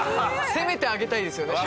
せめて、あげたいですよね